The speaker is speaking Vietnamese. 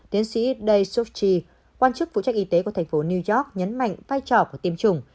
tiến sĩ day sochi quan chức phụ trách y tế của thành phố new york nhấn mạnh vai trò của tiêm chủng